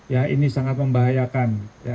ya ini sangat membahayakan